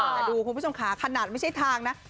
แต่ดูคุณผู้ชมค่ะขนาดไม่ใช่ทางนะ